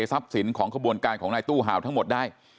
ทรัพย์สินของขบวนการของนายตู้ห่าวทั้งหมดได้